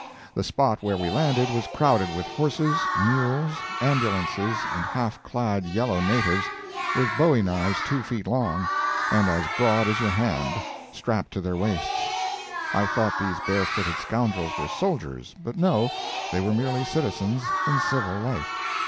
The spot where we landed was crowded with horses, mules, ambulances and half clad yellow natives, with bowie knives two feet long, and as broad as your hand, strapped to their waists. I thought these barefooted scoundrels were soldiers, but no, they were merely citizens in civil life.